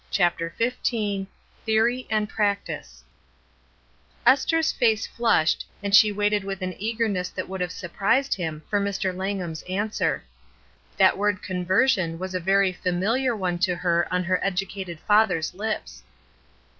CHAPTER XV THEORY AND PRACTICE TpSTHER'S face flushed and she waited with J ^ an eagerness that would have surprised him for Mr. Langham's answer. That word " conversion '' was a very famihar one to her on her educated father's lips.